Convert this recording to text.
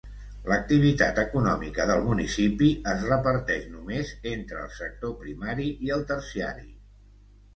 L'activitat econòmica del municipi es reparteix només entre el sector primari i el terciari.